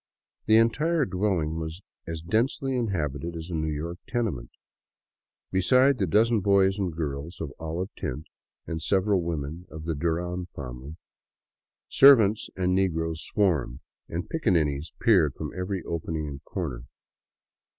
The entire dwelHng was as densely inhabited as a New York tenement. Besides the dozen boys and girls of olive tint and several women of the Duran family, servants and negroes swarmed, and piccaninnies peered from every opening and corner.